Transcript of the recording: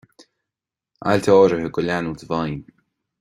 Ailt áirithe do leanúint i bhfeidhm.